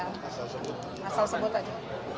asal sebut asal sebut aja